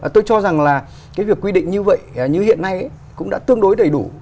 tôi cho rằng là cái việc quy định như vậy như hiện nay cũng đã tương đối đầy đủ